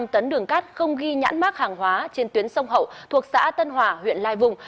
chín mươi năm tấn đường cát không ghi nhãn mắc hàng hóa trên tuyến sông hậu thuộc xã tân hòa huyện lai vùng